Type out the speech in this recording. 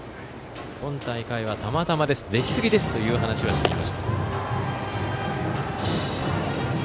今大会はたまたまですできすぎですという話をしていました。